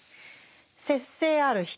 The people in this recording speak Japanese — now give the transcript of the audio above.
節制ある人